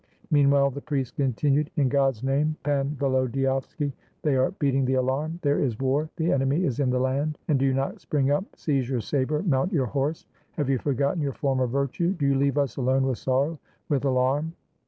Meanwhile the priest continued: "In God's name, Pan Volodyovski, they are beating the alarm : there is war, the enemy is in the land !— and do you not spring up, seize your saber, mount your horse? Have you forgotten your former virtue? Do you leave us alone with sorrow, with alarm?"